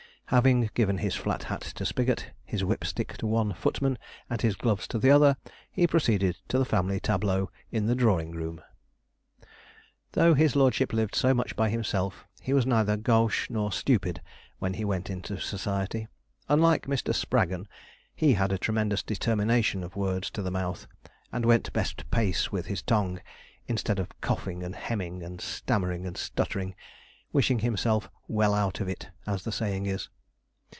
Having given his flat hat to Spigot, his whip stick to one footman, and his gloves to the other, he proceeded to the family tableau in the drawing room. Though his lordship lived so much by himself he was neither gauche nor stupid when he went into society. Unlike Mr. Spraggon, he had a tremendous determination of words to the mouth, and went best pace with his tongue instead of coughing and hemming, and stammering and stuttering wishing himself 'well out of it,' as the saying is.